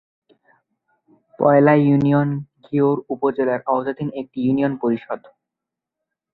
পয়লা union Ghior উপজেলার আওতাধীন একটি ইউনিয়ন পরিষদ।